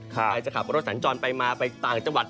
ใครจะขับรถสัญจรไปมาไปต่างจังหวัด